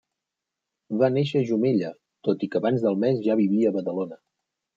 Va néixer a Jumella, tot i que abans del mes ja vivia a Badalona.